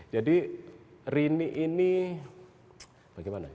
jadi rini ini bagaimana